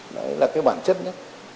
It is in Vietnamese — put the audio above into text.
đấy là cái bản chất nhất